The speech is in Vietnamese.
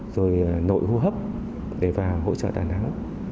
rồi nội hô hấp để vào hỗ trợ đà nẵng